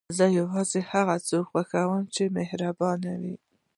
زړه یوازې هغه څوک خوښوي چې مهربان وي.